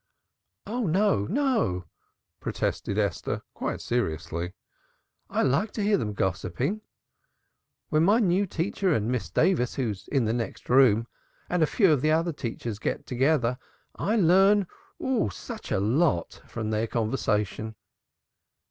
"No, no," protested Esther quite seriously. "I like to hear them gossiping. When my teacher and Miss Davis, who's in the next room, and a few other teachers get together, I learn Oh such a lot! from their conversation."